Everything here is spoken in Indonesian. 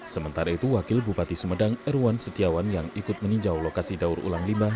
sementara itu wakil bupati sumedang erwan setiawan yang ikut meninjau lokasi daur ulang limbah